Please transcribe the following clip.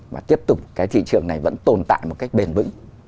và tiếp tục cái thị trường này vẫn tồn tại một cách bền vững